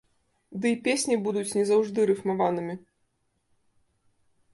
Ды і песні будуць не заўжды рыфмаванымі.